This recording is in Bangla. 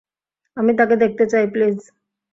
আমি তাকে দেখতে চাই, প্লীজ।